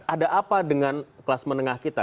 ada apa dengan kelas menengah kita